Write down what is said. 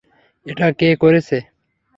এটা কে করেছে?